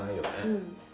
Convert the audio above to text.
うん。